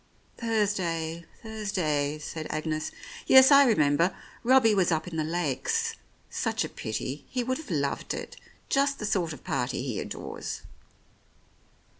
"Thursday, Thursday," said Agnes. "Yes, I remember : Robbie was up in the Lakes. Such a pity ! He would have loved it, just the sort of party he adores."